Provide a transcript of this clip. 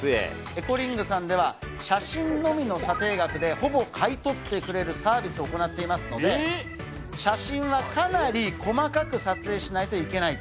エコリングさんでは、写真のみの査定額で、ほぼ買い取ってくれるサービスを行っていますので、写真はかなり細かく撮影しないといけない。